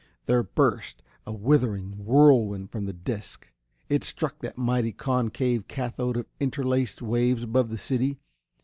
There burst a withering whirlwind from the disc. It struck that mighty concave cathode of interlaced waves above the city.